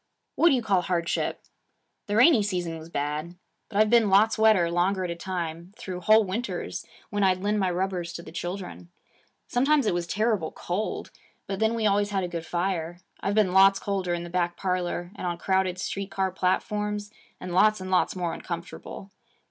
'What do you call hardship? The rainy reason was bad. But I've been lots wetter longer at a time, through whole winters, when I'd lend my rubbers to the children. Sometimes it was terrible cold. But then we always had a good fire. I've been lots colder in the back parlor and on crowded street car platforms, and lots and lots more uncomfortable.